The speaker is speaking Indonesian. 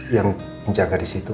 yang menjaga disitu